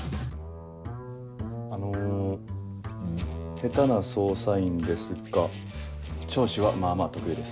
ヘタな捜査員ですが聴取はまあまあ得意です。